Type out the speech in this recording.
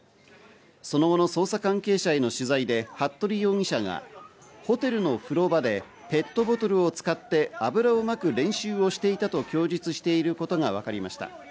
その後の捜査関係者への取材で服部容疑者がホテルの風呂場でペットボトルを使って油をまく練習をしていたと供述していることがわかりました。